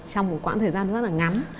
trong một quãng thời gian rất là ngắn